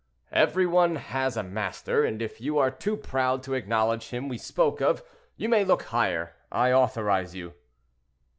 "Every one has a master; and if you are too proud to acknowledge him we spoke of, you may look higher; I authorize you."